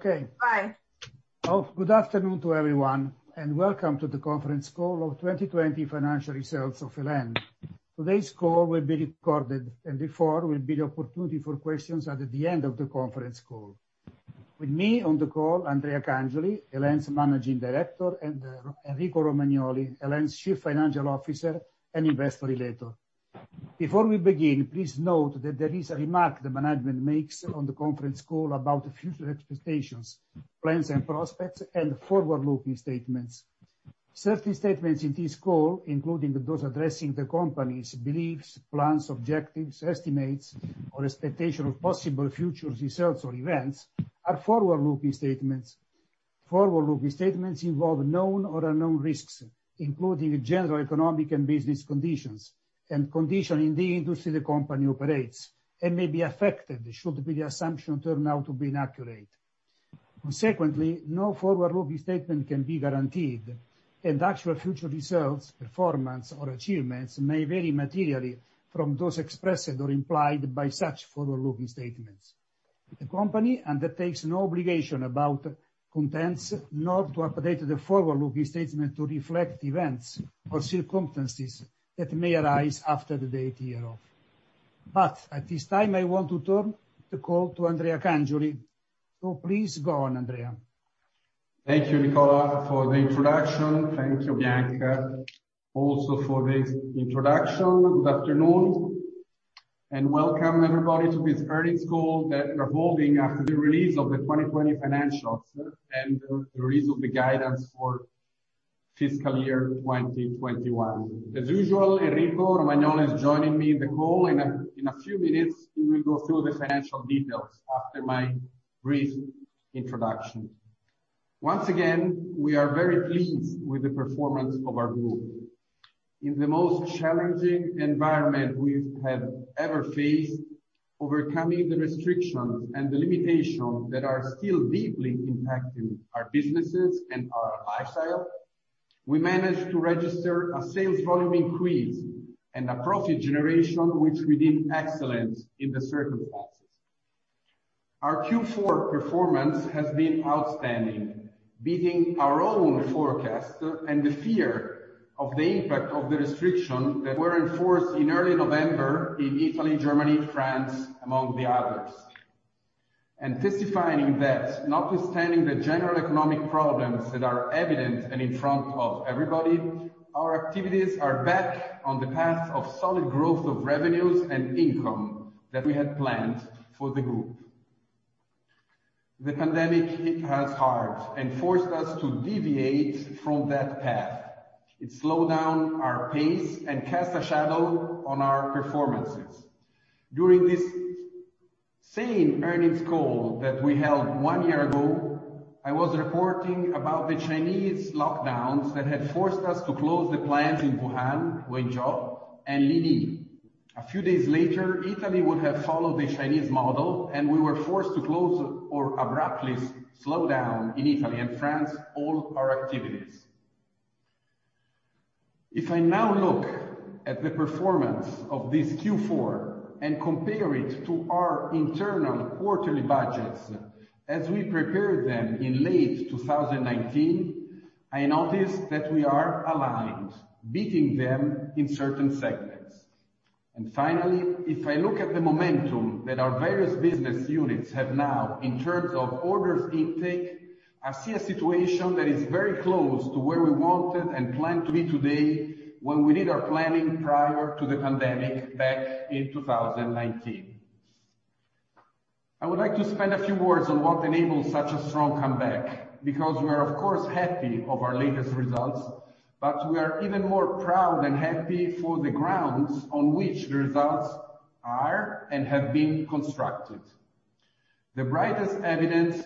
Good afternoon to everyone, and welcome to the conference call of 2020 financial results of EL.En. Today's call will be recorded, and there will be an opportunity for questions at the end of the conference call. With me on the call, Andrea Cangioli, EL.En.'s Managing Director, and Enrico Romagnoli, EL.En.'s Chief Financial Officer and Investor Relator. Before we begin, please note that there is a remark the management makes on the conference call about the future expectations, plans, and prospects and forward-looking statements. Certain statements in this call, including those addressing the company's beliefs, plans, objectives, estimates, or expectation of possible future results or events, are forward-looking statements. Forward-looking statements involve known or unknown risks, including general economic and business conditions and conditions in the industry the company operates, and may be affected should the assumption turn out to be inaccurate. Consequently, no forward-looking statement can be guaranteed, and actual future results, performance, or achievements may vary materially from those expressed or implied by such forward-looking statements. The company undertakes no obligation about contents, nor to update the forward-looking statement to reflect events or circumstances that may arise after the date hereof. At this time, I want to turn the call to Andrea Cangioli. Please go on, Andrea. Thank you, Nicola, for the introduction. Thank you, Bianca, also for the introduction. Good afternoon, welcome, everybody, to this earnings call that we're holding after the release of the 2020 financials and the release of the guidance for fiscal year 2021. As usual, Enrico Romagnoli is joining me in the call, and in a few minutes, he will go through the financial details after my brief introduction. Once again, we are very pleased with the performance of our group. In the most challenging environment we have ever faced, overcoming the restrictions and the limitations that are still deeply impacting our businesses and our lifestyle, we managed to register a sales volume increase and a profit generation, which we deem excellent in the circumstances. Our Q4 performance has been outstanding, beating our own forecast and the fear of the impact of the restrictions that were enforced in early November in Italy, Germany, France, among others. Testifying that, notwithstanding the general economic problems that are evident and in front of everybody, our activities are back on the path of solid growth of revenues and income that we had planned for the group. The pandemic hit us hard and forced us to deviate from that path. It slowed down our pace and cast a shadow on our performances. During this same earnings call that we held one year ago, I was reporting about the Chinese lockdowns that had forced us to close the plants in Wuhan, Wenzhou, and Linyi. A few days later, Italy would have followed the Chinese model, and we were forced to close or abruptly slow down in Italy and France, all our activities. If I now look at the performance of this Q4 and compare it to our internal quarterly budgets as we prepared them in late 2019, I notice that we are aligned, beating them in certain segments. Finally, if I look at the momentum that our various business units have now in terms of order intake, I see a situation that is very close to where we wanted and planned to be today when we did our planning prior to the pandemic back in 2019. I would like to spend a few words on what enabled such a strong comeback because we are, of course, happy with our latest results, but we are even more proud and happy for the grounds on which the results are and have been constructed. The brightest evidence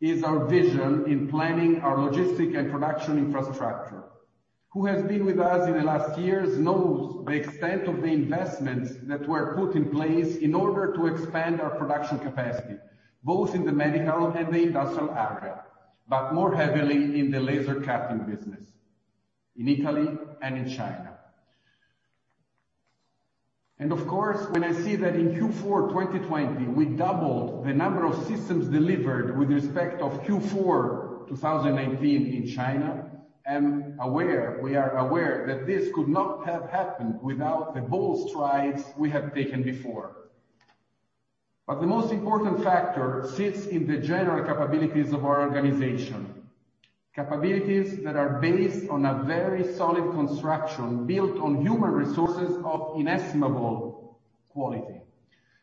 is our vision in planning our logistics and production infrastructure. Who has been with us in the last years knows the extent of the investments that were put in place in order to expand our production capacity, both in the medical and the industrial areas, but more heavily in the laser cutting business, in Italy and in China. Of course, when I see that in Q4 2020, we doubled the number of systems delivered with respect to Q4 2019 in China, we are aware that this could not have happened without the bold strides we have taken before. The most important factor sits in the general capabilities of our organization, capabilities that are based on a very solid construction built on human resources of inestimable quality.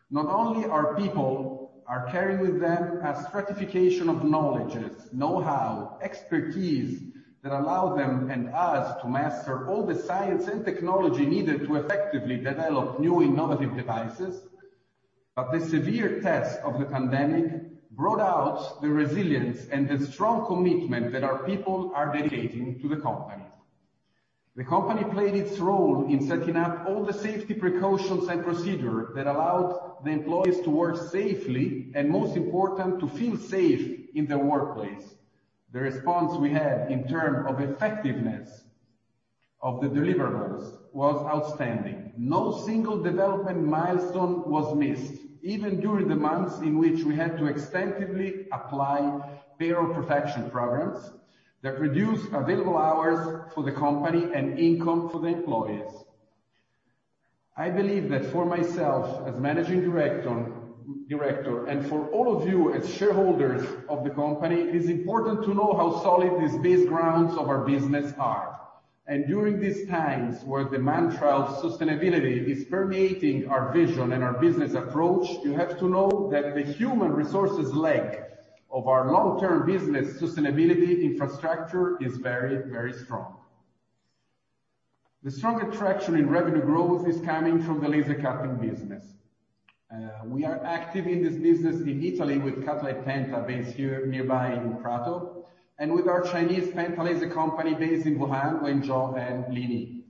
Not only are our people carrying with them a stratification of knowledge, know-how, and expertise that allows them and us to master all the science and technology needed to effectively develop new innovative devices, but the severe test of the pandemic brought out the resilience and the strong commitment that our people are dedicating to the company. The company played its role in setting up all the safety precautions and procedures that allowed the employees to work safely, and most important, to feel safe in their workplace. The response we had in terms of the effectiveness of the deliverables was outstanding. No single development milestone was missed, even during the months in which we had to extensively apply payroll protection programs that reduced available hours for the company and income for the employees. I believe that for myself, as managing director, and for all of you as shareholders of the company, it is important to know how solid these base grounds of our business are. During these times where the mantra of sustainability is permeating our vision and our business approach, you have to know that the human resources leg of our long-term business sustainability infrastructure is very, very strong. The strongest traction in revenue growth is coming from the laser cutting business. We are active in this business in Italy with Cutlite Penta, based here nearby in Prato, and with our Chinese PENTA Laser company based in Wuhan, Wenzhou, and Linyi.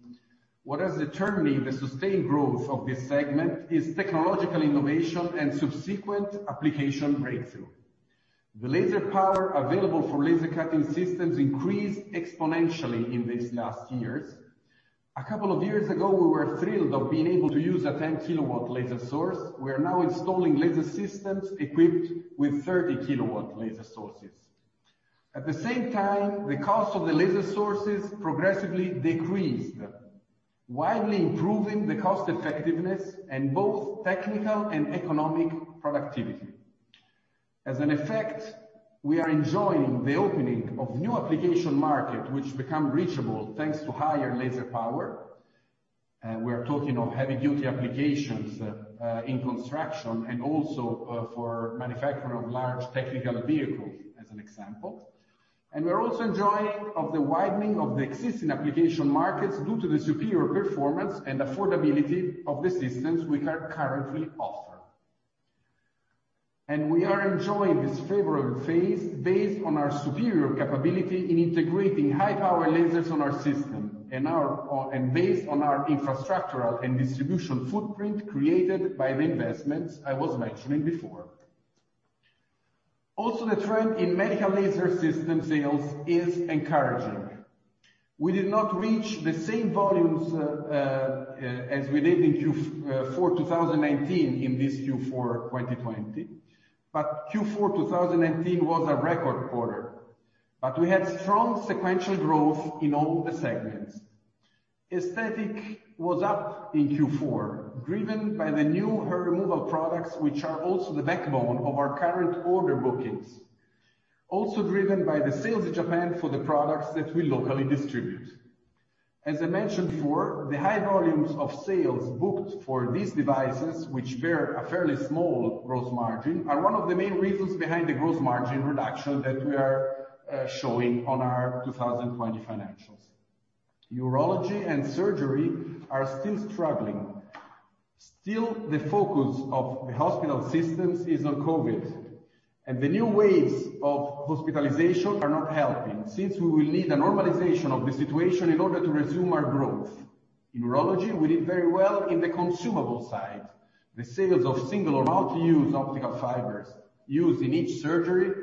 What is determining the sustained growth of this segment is technological innovation and subsequent application breakthroughs. The laser power available for laser cutting systems increased exponentially in these last years. A couple of years ago, we were thrilled to be able to use a 10 kW laser source. We are now installing laser systems equipped with 30 kW laser sources. At the same time, the cost of the laser sources progressively decreased, widely improving the cost effectiveness and both technical and economic productivity. As an effect, we are enjoying the opening of a new application market, which has become reachable, thanks to higher laser power. We're talking of heavy-duty applications in construction and also for the manufacturing of large technical vehicles, as an example. We're also enjoying the widening of the existing application markets due to the superior performance and affordability of the systems we currently offer. We are enjoying this favorable phase based on our superior capability in integrating high-power lasers on our system and based on our infrastructural and distribution footprint created by the investments I was mentioning before. The trend in medical laser system sales is encouraging. We did not reach the same volumes as we did in Q4 2019 in this Q4 2020, but Q4 2019 was a record quarter. We had strong sequential growth in all the segments. Aesthetics were up in Q4, driven by the new hair removal products, which are also the backbone of our current order bookings. Driven by the sales in Japan for the products that we locally distribute. As I mentioned before, the high volumes of sales booked for these devices, which bear a fairly small gross margin, are one of the main reasons behind the gross margin reduction that we are showing on our 2020 financials. Urology and surgery are still struggling. Still, the focus of the hospital systems is on COVID, and the new waves of hospitalization are not helping, since we will need a normalization of the situation in order to resume our growth. In urology, we did very well on the consumable side, the sales of single or multi-use optical fibers used in each surgery,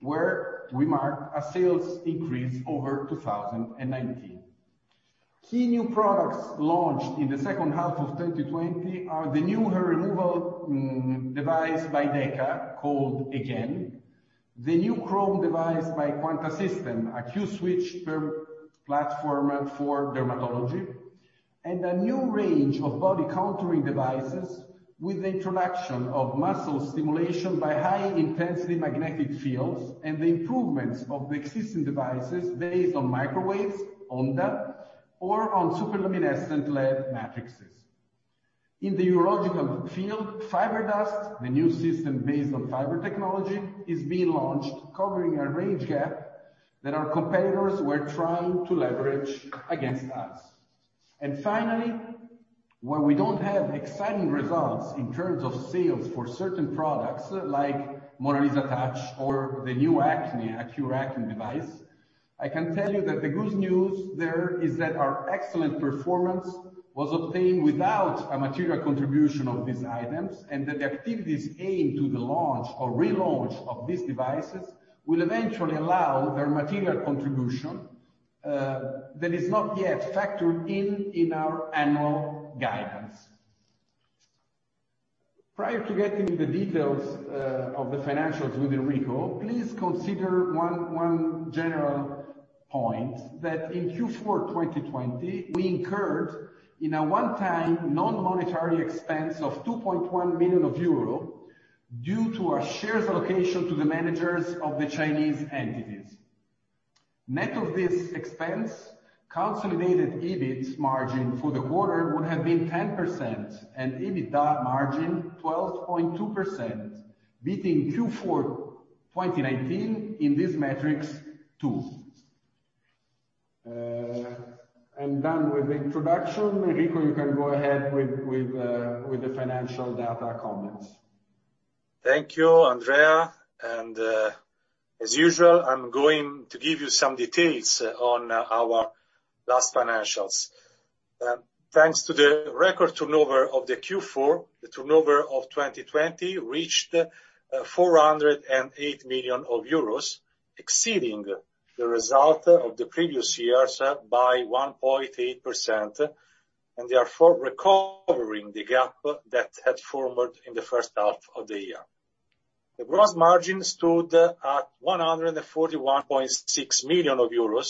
where we marked a sales increase over 2019. Key new products launched in the second half of 2020 are the new hair removal device by DEKA, called AGAIN; the new Chroma device by Quanta System, a Q-Switch platform for dermatology; and a new range of body contouring devices with the introduction of muscle stimulation by high-intensity magnetic fields and the improvements of the existing devices based on microwaves, Onda, or Super-Luminescent LED matrices. In the urological field, FiberDust, the new system based on fiber technology, is being launched, covering a range gap that our competitors were trying to leverage against us. Finally, where we don't have exciting results in terms of sales for certain products like MonaLisa Touch or the new acne Accure Laser, I can tell you that the good news there is that our excellent performance was obtained without a material contribution of these items and that the activities aimed at the launch or relaunch of these devices will eventually allow their material contribution, which is not yet factored into our annual guidance. Prior to getting the details of the financials with Enrico, please consider one general point: in Q4 2020, we incurred a one-time non-monetary expense of 2.1 million euro due to our shares' allocation to the managers of the Chinese entities. Net of this expense, the consolidated EBIT margin for the quarter would have been 10%, and the EBITA margin 12.2%, beating Q4 2019 in these metrics too. I'm done with the introduction. Enrico, you can go ahead with the financial data comments. Thank you, Andrea. As usual, I'm going to give you some details on our last financials. Thanks to the record turnover of Q4, the turnover of 2020 reached 408 million euros, exceeding the result of the previous year by 1.8% and therefore recovering the gap that had formed in the first half of the year. The gross margin stood at 141.6 million euros,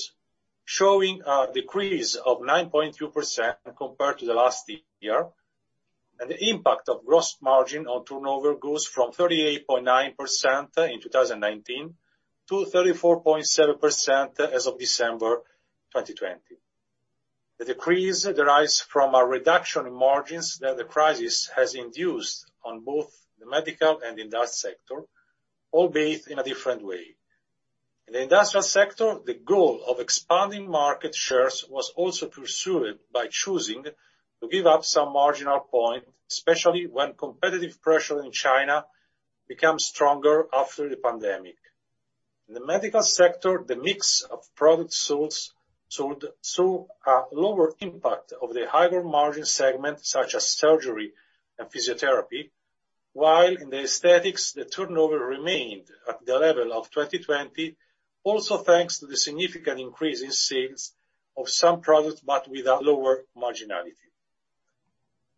showing a decrease of 9.2% compared to last year, and the impact of gross margin on turnover goes from 38.9% in 2019-34.7% as of December 2020. The decrease derives from a reduction in margins that the crisis has induced on both the medical and industrial sectors, albeit in a different way. In the industrial sector, the goal of expanding market shares was also pursued by choosing to give up some marginal point, especially when competitive pressure in China became stronger after the pandemic. In the medical sector, the mix of products sold saw a lower impact of the higher-margin segment, such as surgery and physiotherapy. While in the aesthetics, the turnover remained at the level of 2020, also thanks to the significant increase in sales of some products, but with a lower marginality.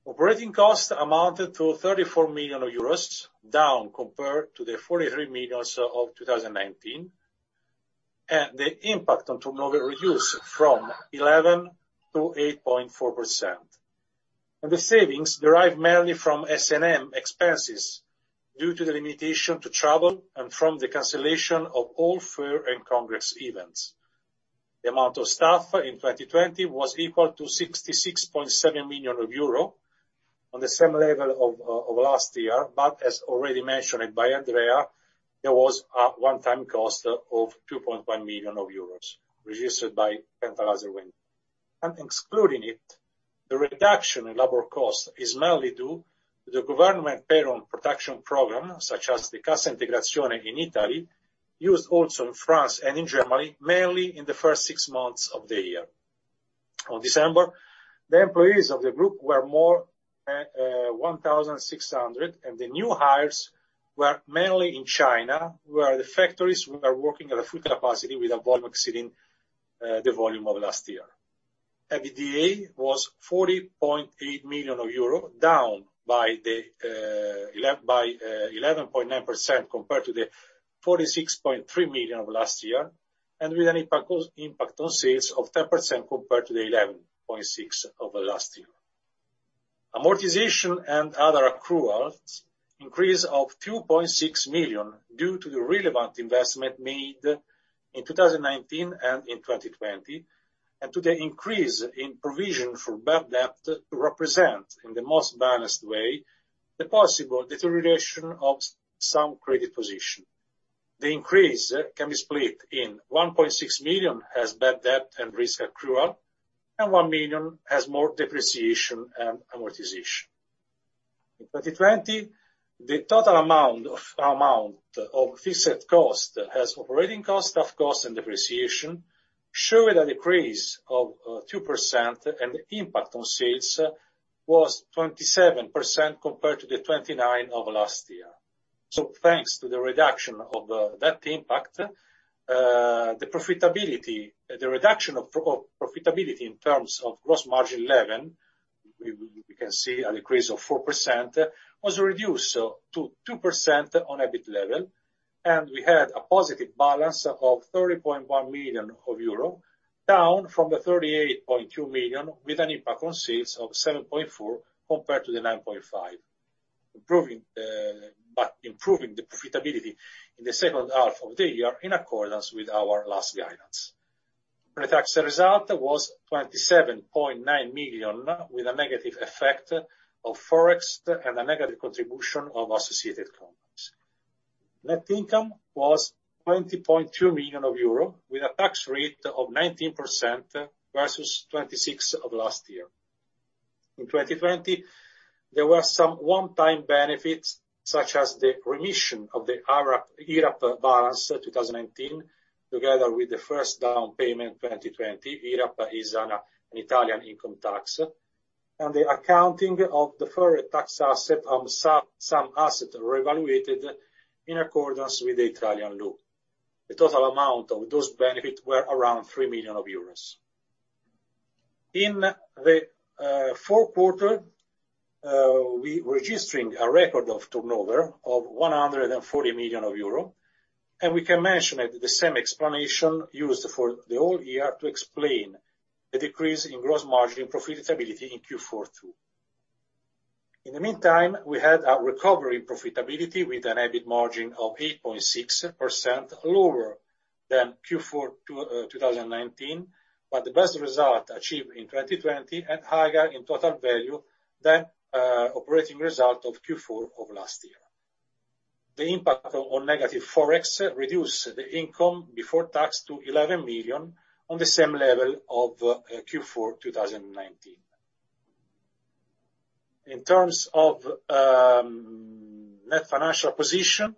Operating costs amounted to 34 million euros, down compared to the 43 million of 2019. The impact on turnover reduced from 11% to 8.4%. The savings derived mainly from S&M expenses due to the limitation on travel and from the cancellation of all fair and congress events. The amount of staff in 2020 was equal to 66.7 million euro, on the same level as last year, but as already mentioned by Andrea, there was a one-time cost of 2.1 million euros, reduced by provisioning. Excluding it, the reduction in labor cost is mainly due to the government payroll protection program, such as the Cassa Integrazione in Italy, used also in France and in Germany mainly in the first six months of the year. In December, the employees of the group were more than 1,600, and the new hires were mainly in China, where the factories were working at full capacity with a volume exceeding the volume of last year. EBITDA was 40.8 million euro, down by 11.9% compared to the 46.3 million of last year, and with an impact on sales of 10% compared to the 11.6% of last year. Amortization and other accruals increased by 2.6 million due to the relevant investment made in 2019 and in 2020, and to the increase in provision for bad debt to represent, in the most balanced way, the possible deterioration of some credit position. The increase can be split into 1.6 million as bad debt and risk accrual and 1 million as more depreciation and amortization. In 2020, the total amount of fixed costs, such as operating costs, costs, and depreciation, showed a decrease of 2%, and the impact on sales was 27% compared to the 29% of last year. Thanks to the reduction of that impact, the reduction of profitability in terms of gross margin, 11%, we can see a decrease of 4%, which was reduced to 2% on the EBIT level, and we had a positive balance of 30.1 million euro, down from the 38.2 million, with an impact on sales of 7.4% compared to the 9.5%. Improving the profitability in the second half of the year in accordance with our last guidance. Pre-tax result was 27.9 million, with a negative effect of Forex and a negative contribution of associated companies. Net income was 20.3 million euro, with a tax rate of 19% versus 26% last year. In 2020, there were some one-time benefits, such as the remission of the IRAP balance 2019, together with the first down payment in 2020. IRAP is an Italian income tax. The accounting of deferred tax assets on some assets is reevaluated in accordance with Italian law. The total amount of those benefits was around 3 million euros. In the fourth quarter, we registered a record turnover of 140 million euro; we can mention the same explanation used for the whole year to explain the decrease in gross margin profitability in Q4 too. In the meantime, we had a recovery in profitability with an EBIT margin of 8.6%, lower than Q4 2019, the best result achieved in 2020 and higher in total value than the operating result of Q4 of last year. The impact of negative Forex reduced the income before tax to 11 million on the same level as Q4 2019. In terms of net financial position,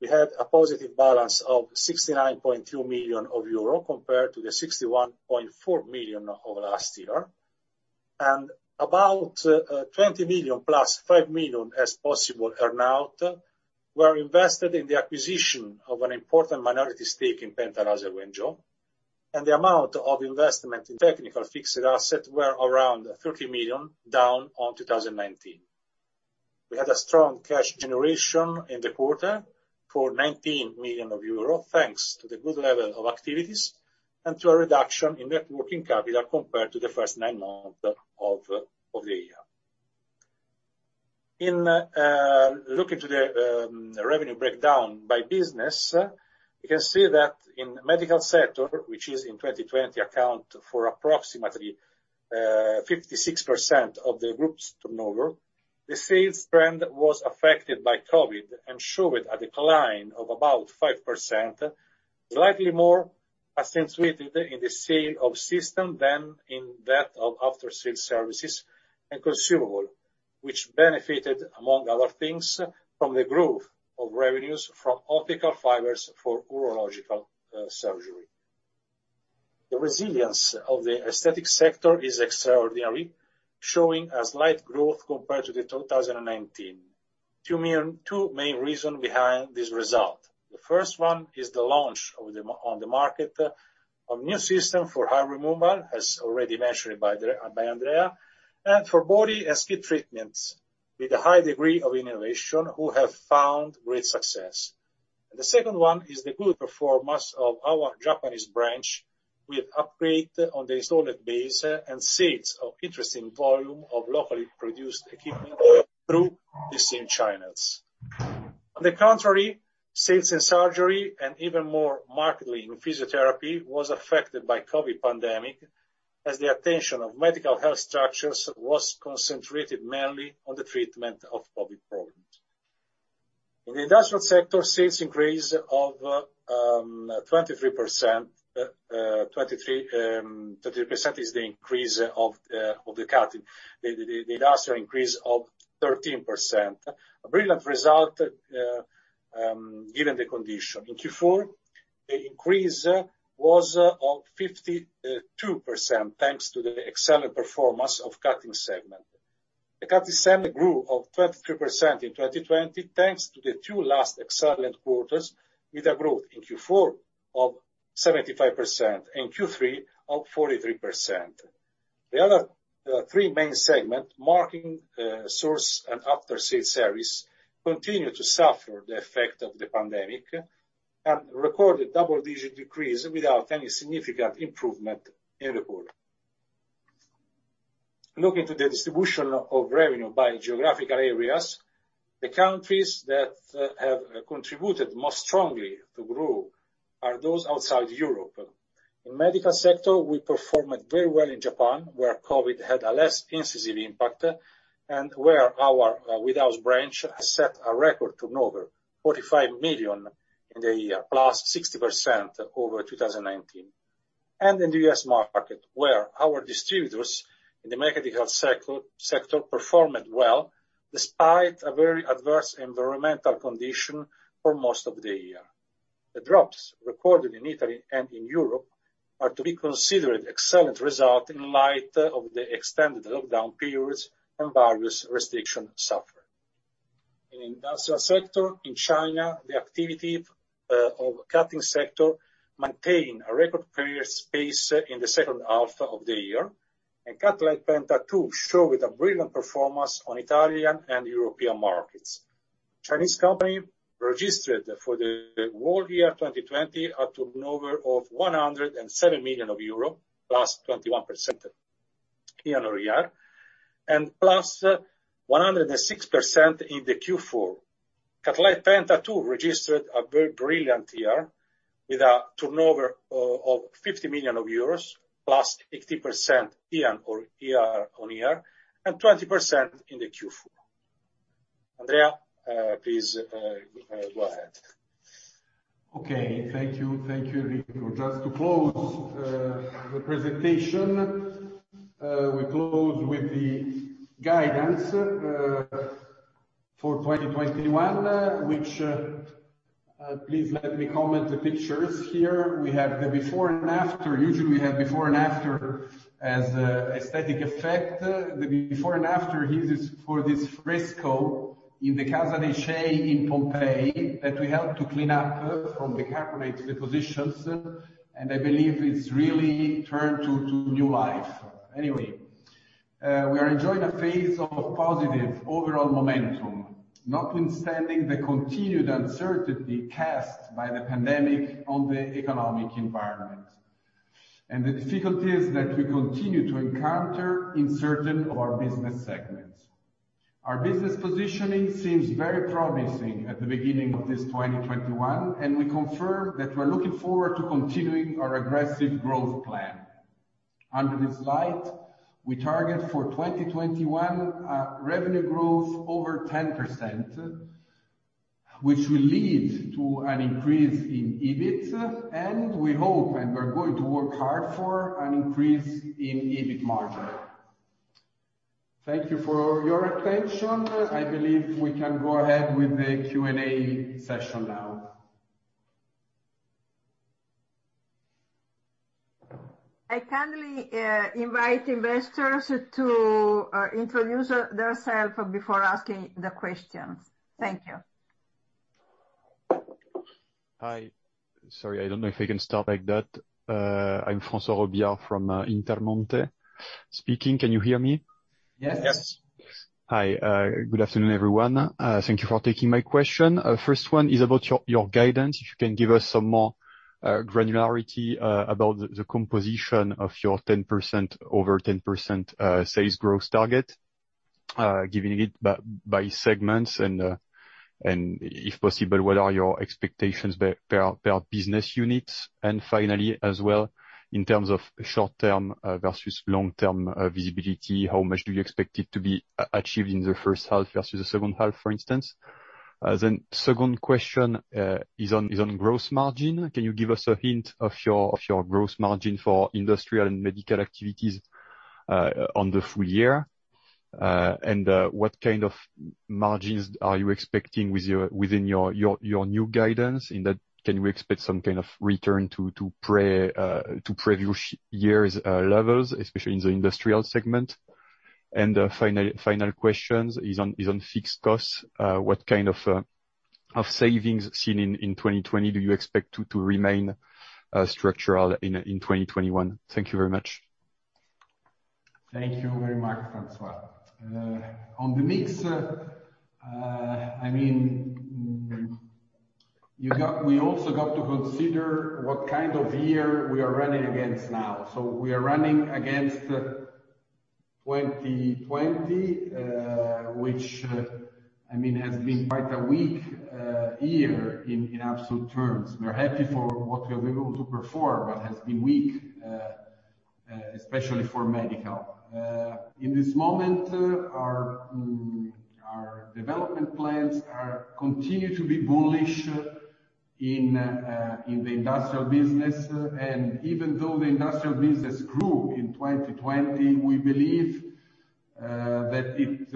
we had a positive balance of 69.2 million euro compared to the 61.4 million of last year. About 20 million-plus, 5 million as a possible earn-out, was invested in the acquisition of an important minority stake in Penta Laser Wenzhou, and the amount of investment in technical fixed assets was around 30 million, down from 2019. We had a strong cash generation in the quarter for 19 million euro, thanks to the good level of activities and to a reduction in net working capital compared to the first nine months of the year. In looking at the revenue breakdown by business, you can see that in the medical sector, which in 2020 accounted for approximately 56% of the group's turnover, the sales trend was affected by COVID and showed a decline of about 5%, slightly more accentuated in the sale of systems than in that of after-sales services and consumables, which benefited, among other things, from the growth of revenues from optical fibers for urological surgery. The resilience of the aesthetic sector is extraordinary, showing slight growth compared to 2019. Two main reasons behind this result. The first one is the launch on the market of a new system for hair removal, as already mentioned by Andrea, and for body and skin treatments, with a high degree of innovation that has found great success. The second one is the good performance of our Japanese branch with an upgrade on the installed base and sales of an interesting volume of locally produced equipment through the same channels. On the contrary, sales in surgery, and even more markedly in physiotherapy, were affected by the COVID pandemic, as the attention of medical health structures was concentrated mainly on the treatment of COVID problems. In the industrial sector, a sales increase of 23% is the increase of the cutting. The industrial increase of 13%. A brilliant result, given the condition. In Q4, the increase was 52%, thanks to the excellent performance of the cutting segment. The cutting segment grew by 23% in 2020, thanks to the two last excellent quarters, with a growth in Q4 of 75% and Q3 of 43%. The other three main segments, marketing, source, and after-sales service, continue to suffer the effect of the pandemic and recorded a double-digit decrease without any significant improvement in the quarter. Looking to the distribution of revenue by geographical areas, the countries that have contributed most strongly to growth are those outside Europe. In the medical sector, we performed very well in Japan, where COVID had a less incisive impact and where our branch with us has set a record turnover of 45 million in the year, +60% over 2019. In the U.S. market, our distributors in the medical sector performed well, despite a very adverse environmental condition for most of the year. The drops recorded in Italy and in Europe are to be considered excellent results in light of the extended lockdown periods and various restrictions suffered. In the industrial sector in China, the activity of the cutting sector maintained a record-previous pace in the second half of the year. Cutlite Penta also showed a brilliant performance in Italian and European markets. Chinese company registered for the whole year 2020 a turnover of 107 million euro, +21% year-on-year, and +106% in Q4. Cutlite Penta, too, registered a very brilliant year with a turnover of 50 million euros, +60% year-on-year, and 20% in Q4. Andrea, please, go ahead. Okay. Thank you. Thank you, Enrico. Just to close the presentation, we close with the guidance for 2021, for which please let me comment on the pictures here. We have the before and after. Usually, we have before and after as an aesthetic effect. The before and after here is for this fresco in the Casa dei Vettii in Pompeii that we helped to clean up from the carbonate depositions, and I believe it's really turned to new life. We are enjoying a phase of positive overall momentum, notwithstanding the continued uncertainty cast by the pandemic on the economic environment and the difficulties that we continue to encounter in certain of our business segments. Our business positioning seems very promising at the beginning of 2021, and we confirm that we're looking forward to continuing our aggressive growth plan. Under this light, we target for 2021, a revenue growth over 10%, which will lead to an increase in EBIT, and we hope, and we're going to work hard for, an increase in EBIT margin. Thank you for your attention. I believe we can go ahead with the Q&A session now. I kindly invite investors to introduce themselves before asking the questions. Thank you. Hi. Sorry, I don't know if I can start like that. I'm François Robillard from Intermonte speaking. Can you hear me? Yes. Hi. Good afternoon, everyone. Thank you for taking my question. First one is about your guidance. If you can give us some more granularity about the composition of your over 10% sales growth target, giving it by segments and, if possible, what are your expectations per business unit? Finally, as well, in terms of short-term versus long-term visibility, how much do you expect it to be achieved in the first half versus the second half, for instance? Second question is on gross margin. Can you give us a hint of your gross margin for industrial and medical activities for the full year? What kind of margins are you expecting within your new guidance? In that, can we expect some kind of return to previous years' levels, especially in the industrial segment? Final question is on fixed costs. What kind of savings seen in 2020 do you expect to remain structural in 2021? Thank you very much. Thank you very much, François. On the mix, we also got to consider what kind of year we are running against now. We are running against 2020, which has been quite a weak year in absolute terms. We're happy for what we were able to perform, but it has been weak, especially for medical. In this moment, our development plans continue to be bullish in the industrial business. Even though the industrial business grew in 2020, we believe that it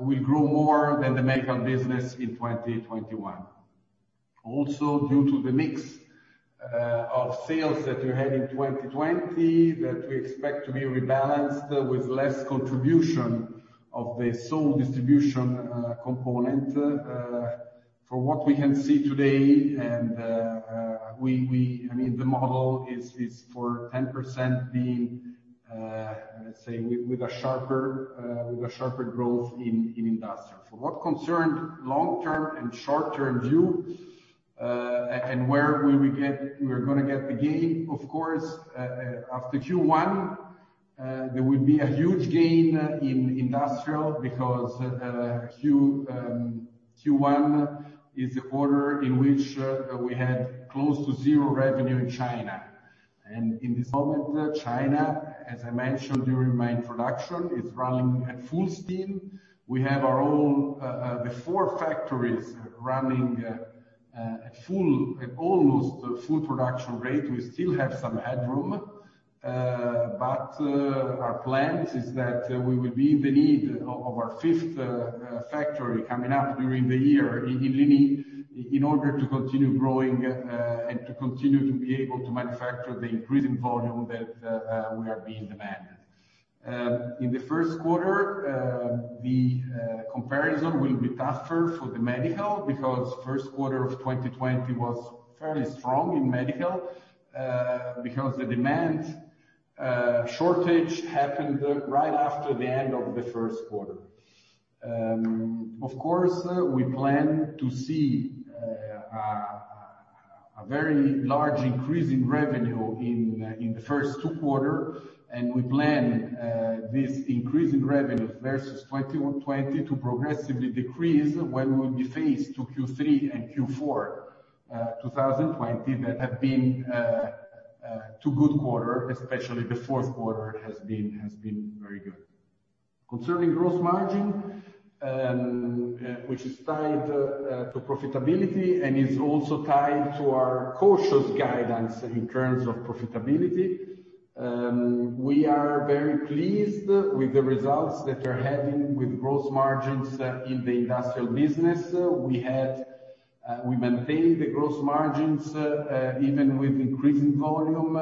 will grow more than the medical business in 2021. Also, due to the mix of sales that we had in 2020 that we expect to be rebalanced with less contribution from the sole distribution component. From what we can see today, the model is for 10% being, let's say, with a sharper growth in industry. For what concern long-term and short-term views, where we were going to get the gain, of course, after Q1, there will be a huge gain in industrial because Q1 is the quarter in which we had close to 0 revenue in China. In this moment, China, as I mentioned during my introduction, is running at full steam. We have the four factories running at almost a full production rate. We still have some headroom. Our plan is that we will be in need of our fifth factory coming up during the year in Linyi, in order to continue growing and to continue to be able to manufacture the increasing volume that we are being demanded. In the first quarter, the comparison will be tougher for the medical because the first quarter of 2020 was fairly strong in medical because the demand shortage happened right after the end of the first quarter. Of course, we plan to see a very large increase in revenue in the first two quarters, and we plan for this increase in revenue versus 2020 to progressively decrease when we are phased into Q3 and Q4 2020 that have been two good quarters, especially the fourth quarter, which has been very good. Concerning gross margin, which is tied to profitability and is also tied to our cautious guidance in terms of profitability, we are very pleased with the results that we're having with gross margins in the industrial business. We maintain the gross margins even with increasing volume.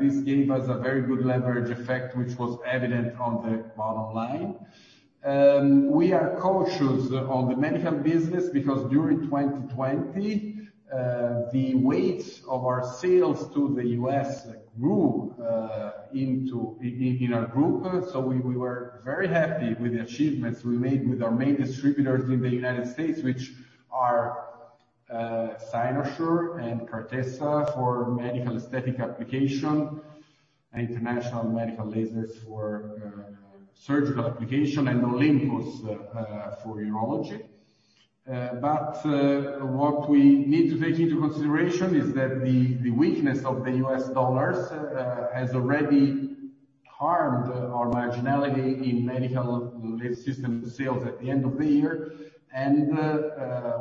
This gave us a very good leverage effect, which was evident on the bottom line. We are cautious about the medical business because during 2020, the weight of our sales to the U.S. grew in our group. We were very happy with the achievements we made with our main distributors in the United States, which are Cynosure and Cartessa for medical aesthetic application, International Medical Lasers for surgical application, and Olympus for urology. What we need to take into consideration is that the weakness of the U.S. dollar has already harmed our marginality in medical laser system sales at the end of the year.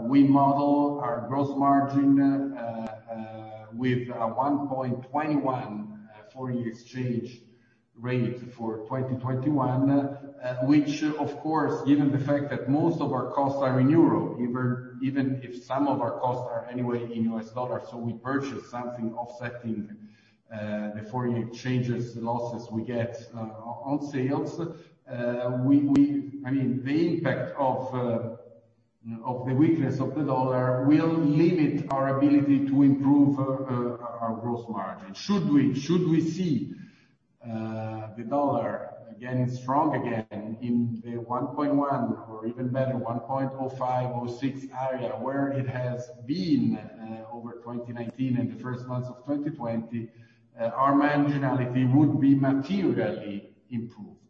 We model our gross margin with a 1.21 foreign exchange rate for 2021, which, of course, given the fact that most of our costs are in euro, even if some of our costs are in U.S. dollars anyway, we purchase something offsetting the foreign exchange losses we get on sales. The impact of the weakness of the U.S. dollar will limit our ability to improve our gross margin. Should we see the U.S. dollar strong again in the 1.1 or even better, 1.0506 area where it has been over 2019 and the first months of 2020, our marginality would be materially improved.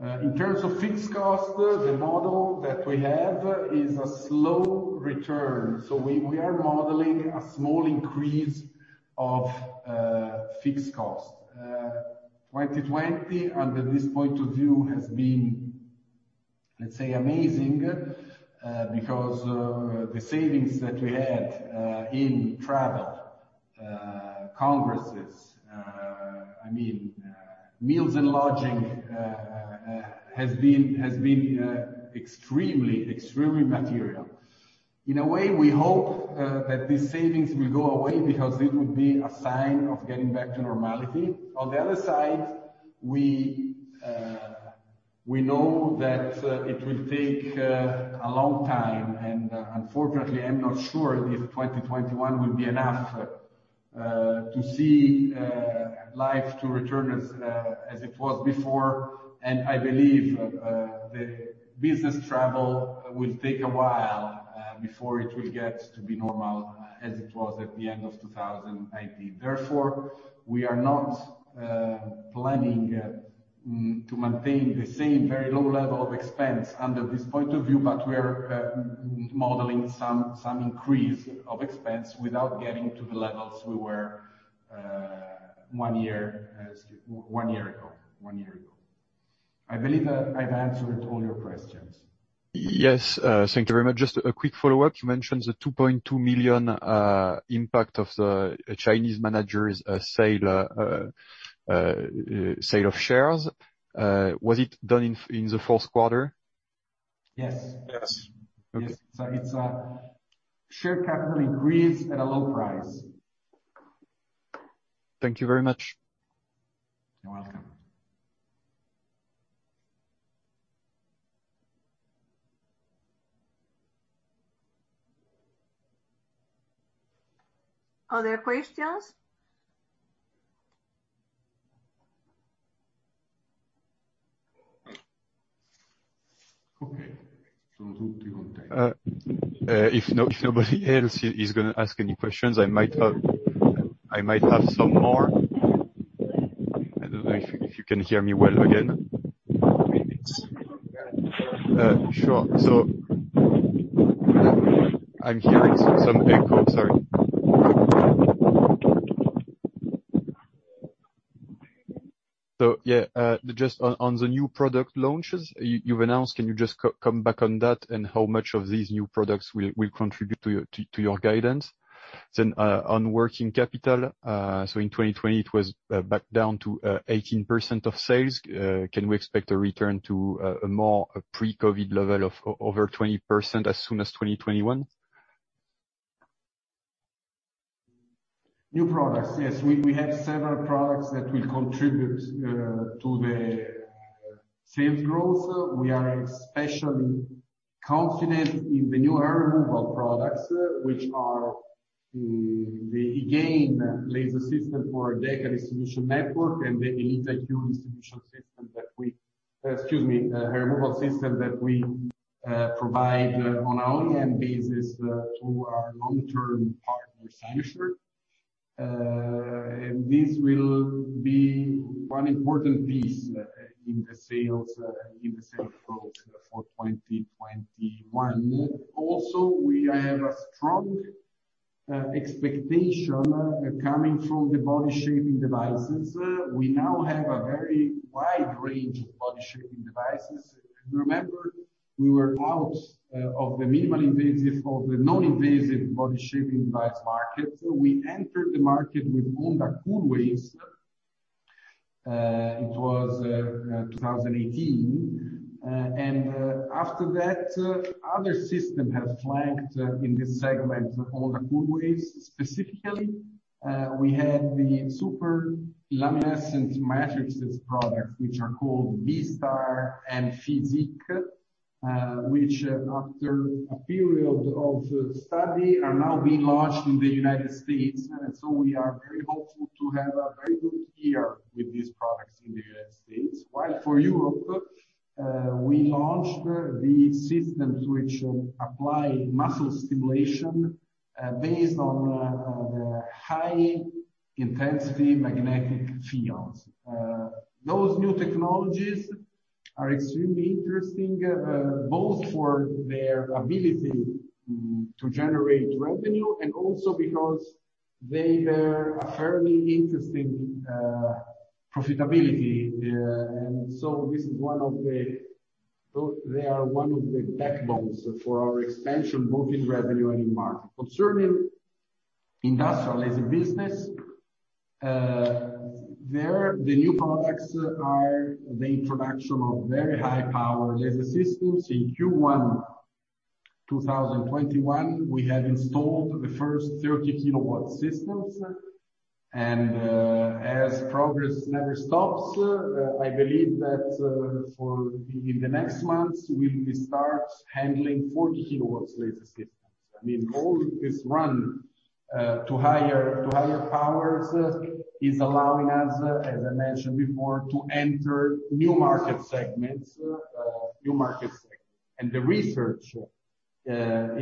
In terms of fixed cost, the model that we have is a slow return. We are modeling a small increase of fixed cost. 2020, under this point of view, has been, let's say, amazing, because the savings that we had in travel, congresses, meals, and lodging have been extremely material. In a way, we hope that these savings will go away because it would be a sign of getting back to normality. On the other side, we know that it will take a long time. Unfortunately, I'm not sure if 2021 will be enough to see life to return as it was before. I believe business travel will take a while before it will get to be normal as it was at the end of 2019. Therefore, we are not planning to maintain the same very low level of expense under this point of view, but we are modeling some increase of expense without getting to the levels we were one year ago. I believe I've answered all your questions. Yes. Thank you very much. Just a quick follow-up. You mentioned the 2.1 million impact of the Chinese manager's sale of shares. Was it done in the fourth quarter? Yes. Okay. It's a share capital increase at a low price. Thank you very much. You're welcome. Other questions? Okay. If nobody else is going to ask any questions, I might have some more. I don't know if you can hear me well again. Yes. Sure. I'm hearing some echo; sorry. Just on the new product launches you've announced, can you just come back on that and how much these new products will contribute to your guidance? On working capital, in 2020, it was back down to 18% of sales. Can we expect a return to a more pre-COVID level of over 20% as soon as 2021? New products. Yes, we have several products that will contribute to the sales growth. We are especially confident in the new hair removal products, which are the AGAIN laser system for DEKA Distribution Network and the Quanta System hair removal system that we provide on an OEM basis through our long-term partner, Cynosure. This will be one important piece in the sales growth for 2021. We have a strong expectation coming from the body-shaping devices. We now have a very wide range of body shaping devices. If you remember, we were out of the minimal-invasive and non-invasive body-shaping device markets. We entered the market with Onda Coolwaves. It was 2018. After that, other systems have flanked in this segment, Onda Coolwaves specifically. We had the super luminescent matrices products, which are called B Star and Physiq, which, after a period of study, are now being launched in the United States. We are very hopeful to have a very good year with these products in the U.S. As for Europe, we launched the systems that apply muscle stimulation based on the high-intensity magnetic fields. Those new technologies are extremely interesting, both for their ability to generate revenue and also because they bear a fairly interesting profitability. They are one of the backbones for our expansion, both in revenue and in market. Concerning the industrial laser business, the new products are the introduction of very high-power laser systems. In Q1 2021, we had installed the first 30 kW systems. As progress never stops, I believe that in the next months, we'll start handling 40 kW laser systems. All this running to higher powers is allowing us, as I mentioned before, to enter new market segments. The research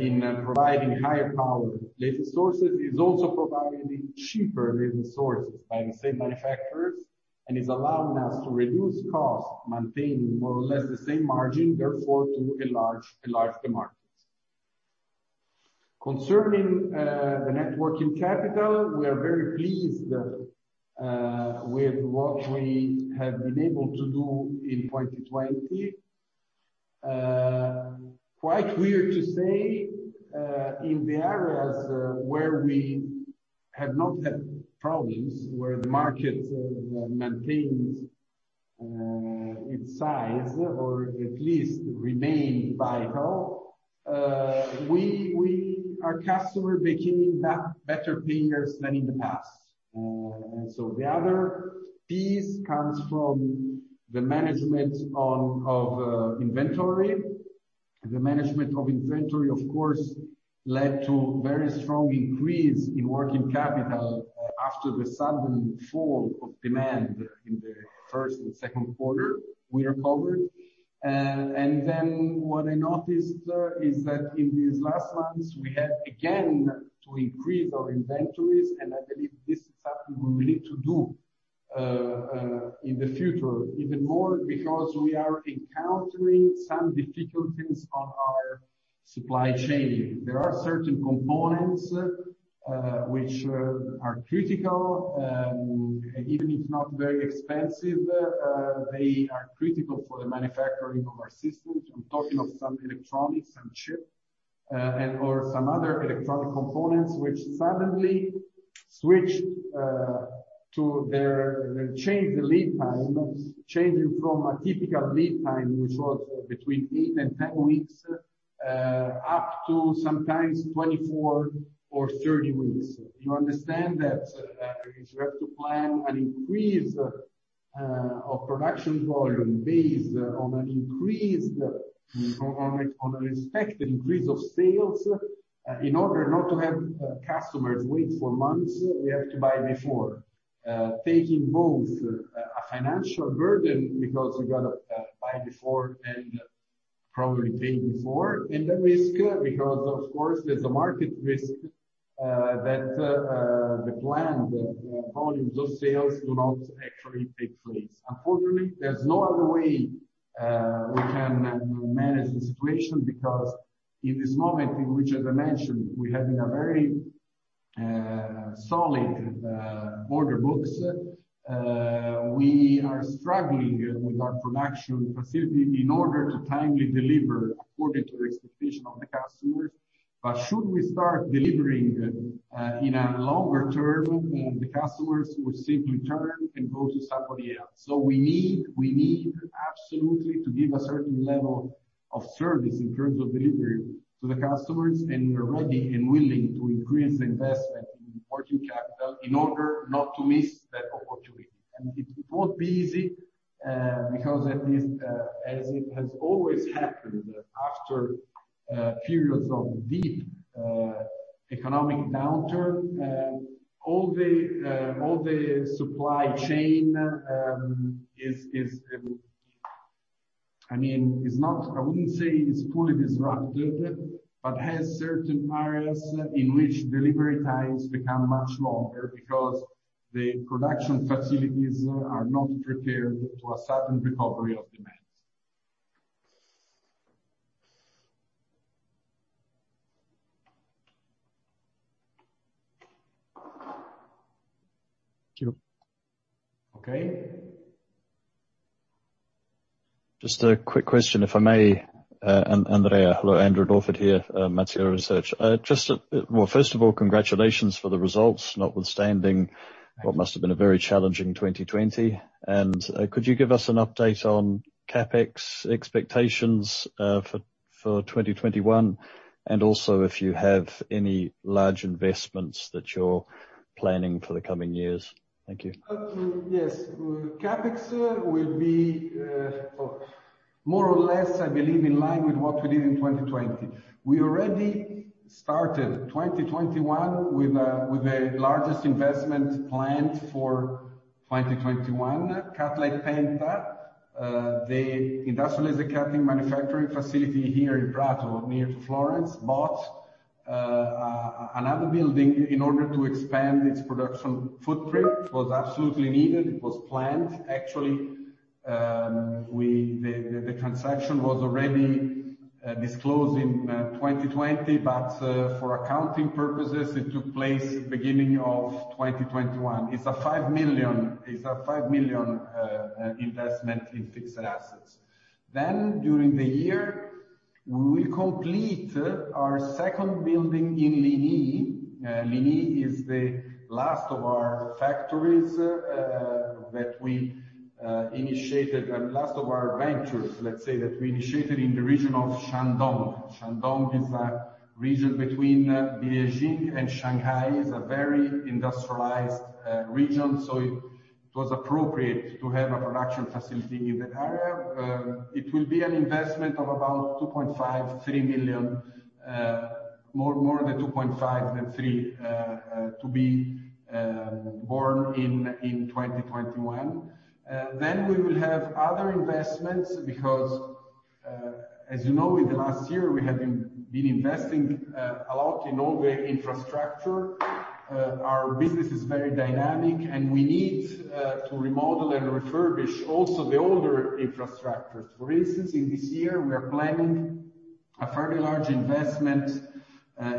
in providing higher-power laser sources is also providing cheaper laser sources by the same manufacturers and is allowing us to reduce costs, maintaining more or less the same margin, and therefore, to enlarge the markets. Concerning the net working capital, we are very pleased with what we have been able to do in 2020. Quite weird to say, in the areas where we have not had problems, where the market maintains its size, or at least remains vital, our customers have become better payers than in the past. The other piece comes from the management of inventory. The management of inventory, of course, led to a very strong increase in working capital after the sudden fall of demand in the first and second quarters; we recovered. What I noticed is that in these last months, we had again to increase our inventories, and I believe this is something we will need to do in the future even more because we are encountering some difficulties in our supply chain. There are certain components that are critical. Even if not very expensive, they are critical for the manufacturing of our systems. I'm talking of some electronics, some chips, and/or some other electronic components that suddenly switched to their changed lead time, changing from a typical lead time, which was between eight and 10 weeks, up to sometimes 24 or 30 weeks. Do you understand that if you have to plan an increase of production volume based on an expected increase of sales, in order not to have customers wait for months, we have to buy before? Taking both a financial burden because we got to buy before and probably pay before and the risk because, of course, there's a market risk that the planned volume of those sales does not actually take place. Unfortunately, there's no other way we can manage the situation because in this moment, as I mentioned, we're having very solid order books. We are struggling with our production facility in order to timely deliver according to the expectation of the customers. Should we start delivering in the longer term, the customers will simply turn and go to somebody else. We need absolutely to give a certain level of service in terms of delivery to the customers, and we're ready and willing to increase the investment in working capital in order not to miss that opportunity. It won't be easy, because as it has always happened, after periods of deep economic downturn, the entire supply chain, I wouldn't say is fully disrupted, but has certain areas in which delivery times become much longer because the production facilities are not prepared to a sudden recovery of demand. Thank you. Okay. Just a quick question, if I may. Andrea. Hello, [Andrew Dodford] here, Mediobanca Research. First of all, congratulations for the results, notwithstanding what must have been a very challenging 2020. Could you give us an update on CapEx expectations for 2021, and also if you have any large investments that you're planning for the coming years? Thank you. Yes. CapEx will be more or less, I believe, in line with what we did in 2020. We already started 2021 with the largest investment planned for 2021, Cutlite Penta. The industrial laser cutting manufacturing facility here in Prato, near Florence, bought another building in order to expand its production footprint, which was absolutely needed. It was planned, actually. The transaction was already disclosed in 2020. For accounting purposes, it took place at the beginning of 2021. It's a 5 million investment in fixed assets. During the year, we will complete our second building in Linyi. Linyi is the last of our ventures, let's say, that we initiated in the region of Shandong. Shandong is a region between Beijing and Shanghai. It is a very industrialized region. It was appropriate to have a production facility in that area. It will be an investment of about 2.5 million, 3 million, or more than 2.5 million to 3 million to be borne in 2021. We will have other investments, because as you know, in the last year, we have been investing a lot in all the infrastructure. Our business is very dynamic, and we need to remodel and refurbish also the older infrastructures. For instance, this year, we are planning a fairly large investment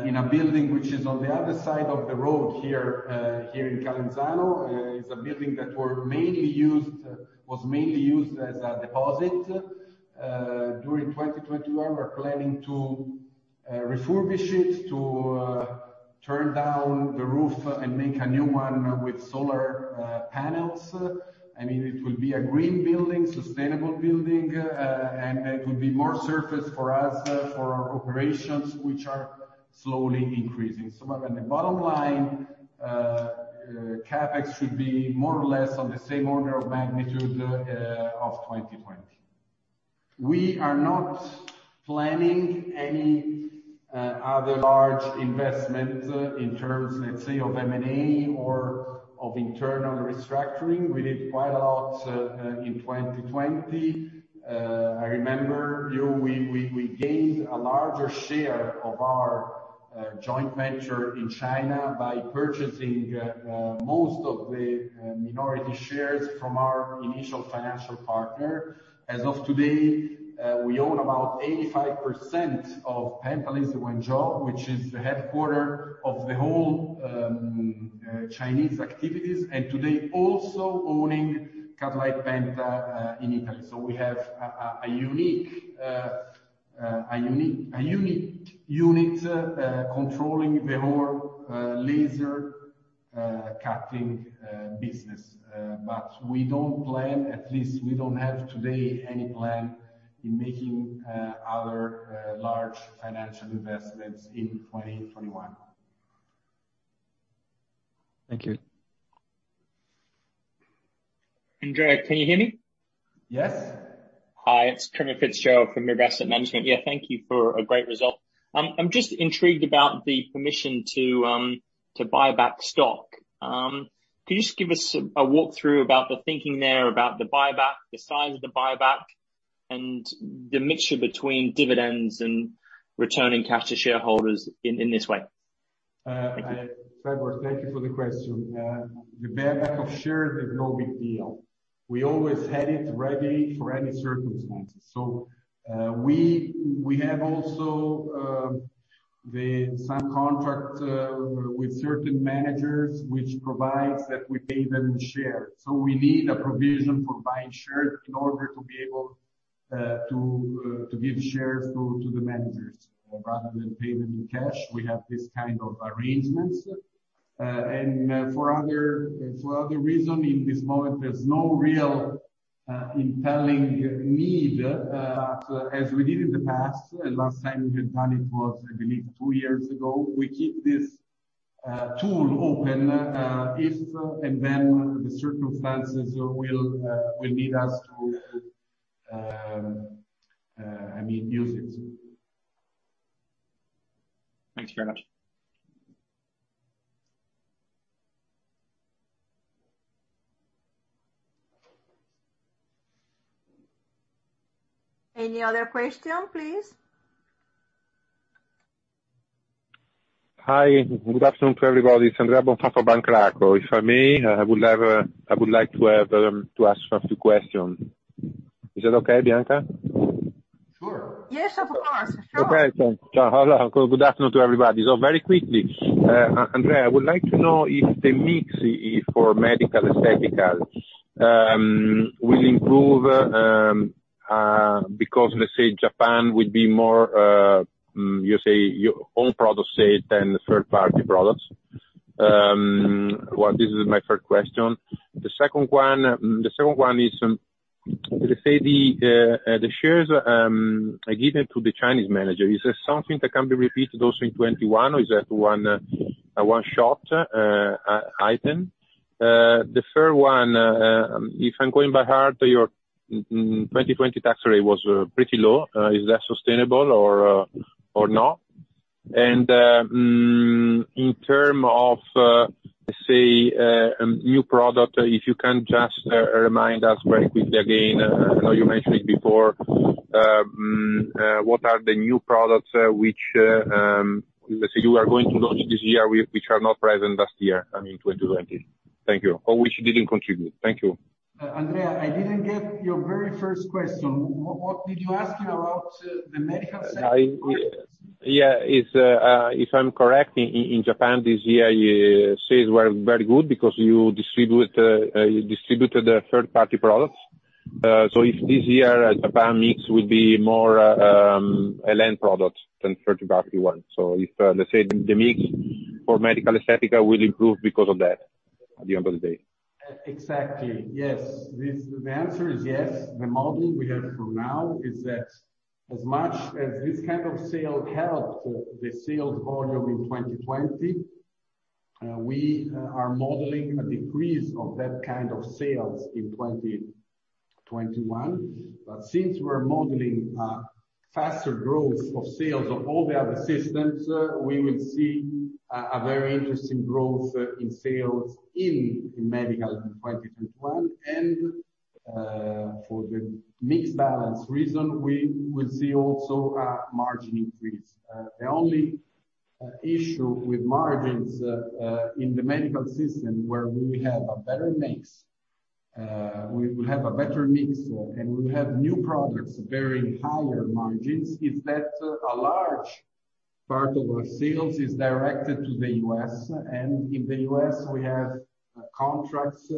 in a building that is on the other side of the road here in Calenzano. It's a building that was mainly used as a deposit. During 2021, we're planning to refurbish it, to turn down the roof, and to make a new one with solar panels. It will be a green building and a sustainable building, and it could be more surface for us, for our operations, which are slowly increasing. The bottom line is CapEx should be more or less on the same order of magnitude as 2020. We are not planning any other large investment in terms, let's say, of M&A or of internal restructuring. We did quite a lot in 2020. I remember we gained a larger share of our joint venture in China by purchasing most of the minority shares from our initial financial partner. As of today, we own about 85% of Penta Laser Wenzhou, which is the headquarter of all Chinese activities, and today we also own Cutlite Penta in Italy. We have a unique unit controlling the whole laser cutting business. We don't plan; at least we don't have today any plan to make other large financial investments in 2021. Thank you. Andrea, can you hear me? Yes. Hi, it's Trevor Fitzgerald from Mirabaud Asset Management. Yeah, thank you for a great result. I'm just intrigued about the permission to buy back stock. Could you just give us a walkthrough about the thinking there, about the buyback, the size of the buyback, and the mixture between dividends and returning cash to shareholders in this way? Thank you. Sure. Thank you for the question. The buyback of shares is no big deal. We always had it ready for any circumstances. We also have some contracts with certain managers, which provide that we pay them in shares. We need a provision for buying shares in order to be able to give shares to the managers. Rather than pay them in cash, we have this kind of arrangement. For other reasons, in this moment, there's no real impelling need. As we did in the past, the last time we had done it was, I believe, two years ago. We keep this tool open if and when the circumstances will need us to use it. Thanks very much. Any other questions, please? Hi, good afternoon to everybody. It's Andrea Bonfà for Banca Akros. If I may, I would like to ask a few questions. Is that okay, Bianca? Sure. Yes, of course. Sure. Okay. Good afternoon to everybody. Very quickly, Andrea, I would like to know if the mix for medical aesthetics will improve, because, let's say, Japan would be more, you say, your own product sale than the third-party products. Well, this is my first question. The second one is, let's say, the shares are given to the Chinese manager. Is this something that can be repeated also in 2021, or is that a one-shot item? The third one, if I'm going by heart, your 2020 tax rate was pretty low. Is that sustainable or not? In terms of, let's say, a new product, if you can just remind us very quickly again, I know you mentioned it before, what are the new products that, let's say, you are going to launch this year, which were not present last year, in 2020? Thank you. Or which didn't contribute. Thank you. Andrea, I didn't get your very first question. What did you ask me about the medical sector? Yeah. If I'm correct, in Japan this year, sales were very good because you distributed third-party products. If this year, Japan's mix will be more EL.En. products than third-party ones. If, let's say, the mix for medical aesthetics will improve because of that, at the end of the day. Exactly. Yes. The answer is yes. The model we have for now is that as much as this kind of sale helped the sales volume in 2020, we are modeling a decrease of that kind of sale in 2021. Since we're modeling a faster growth of sales of all the other systems, we will see a very interesting growth in sales in medical in 2021. For the mix balance reason, we will also see a margin increase. The only issue with margins, in the medical system where we have a better mix and we have new products bearing higher margins, is that a large part of our sales is directed to the U.S. In the U.S., we have contracts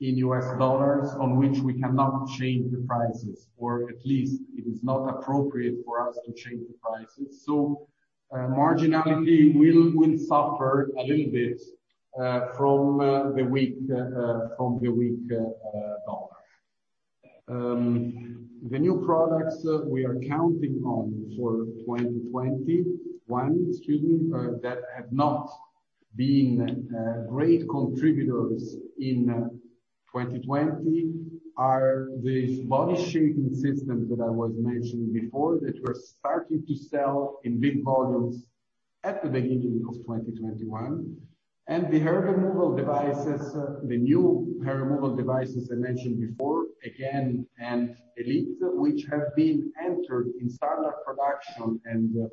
in U.S. dollars on which we cannot change the prices, or at least it is not appropriate for us to change the prices. Marginally, we'll suffer a little bit from the weak US dollar. The new products we are counting on for 2021 that have not been great contributors in 2020 are these body-shaping systems that I was mentioning before, which we're starting to sell in big volumes at the beginning of 2021. The hair removal devices, the new hair removal devices I mentioned before, AGAIN and Elite, have been entered in standard production and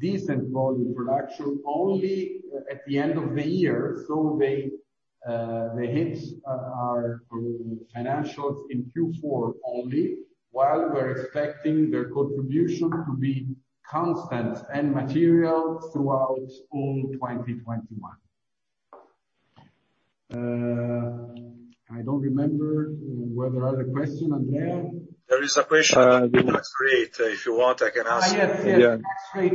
decent volume production only at the end of the year. They hit our financials in Q4 only, while we're expecting their contribution to be constant and material throughout all 2021. I don't remember were there other questions, Andrea? There is a question on the tax rate. If you want, I can ask. Yes. Tax rate,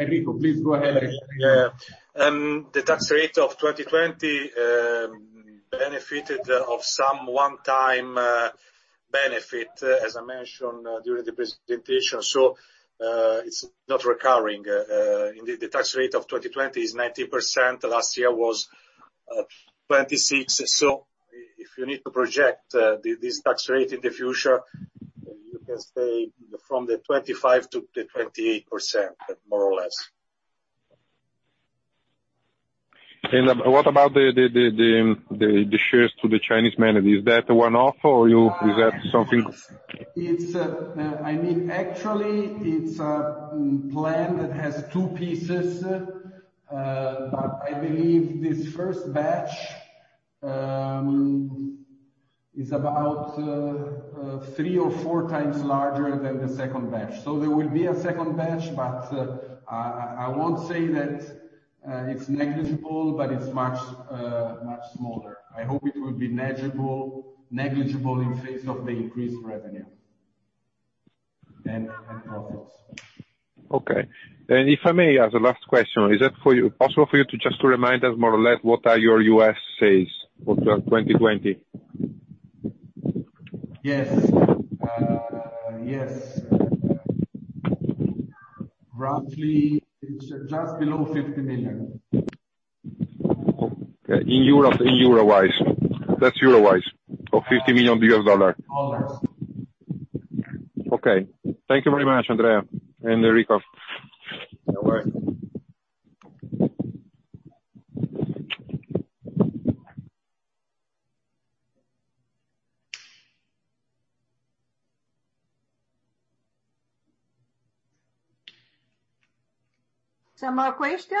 Enrico? please go ahead, Enrico. The tax rate of 2020 benefited from some one-time benefit, as I mentioned during the presentation. It's not recurring. Indeed, the tax rate of 2020 is 19%; last year it was 26%. If you need to project this tax rate in the future, you can stay in the 25%-28% range, more or less. What about the shares to the Chinese management? Is that a one-off, or is that something? It's a plan that has two pieces. I believe this first batch is about three or four times larger than the second batch. There will be a second batch, but I won't say that it's negligible, but it is much smaller. I hope it will be negligible in the face of the increased revenue and profits. Okay. If I may, as a last question, is it possible for you to just remind us more or less what your U.S. sales are for 2020? Yes. Roughly, it's just below 50 million. Okay. In euro-wise. That's euro-wise or $50 million? Okay. Thank you very much, Andrea and Enrico. No worry. Some more questions?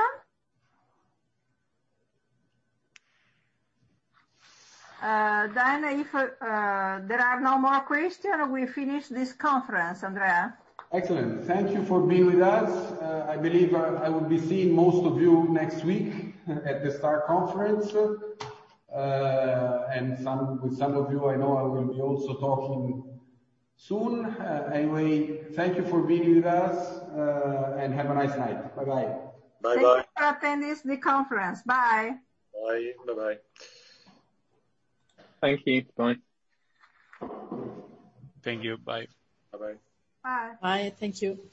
Diana, if there are no more questions, we finish this conference, Andrea. Excellent. Thank you for being with us. I believe I will be seeing most of you next week at the STAR Conference. With some of you, I know I will also be talking soon. Anyway, thank you for being with us, and have a nice night. Bye-bye. Bye-bye. Thank you for attending this conference. Bye. Bye. Bye-bye. Thank you. Bye. Thank you. Bye. Bye-bye. Bye. Bye. Thank you.